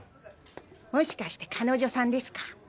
もしかして彼女さんですか？